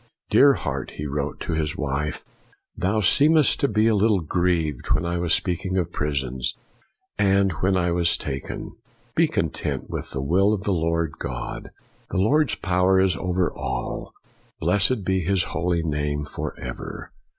Dear Heart," he wrote to his wife, Thou seemedst to be a little grieved when I was speaking of prisons, and when I was taken: be content with the will of the Lord God. The Lord's power is over all; blessed be His Holy name forever."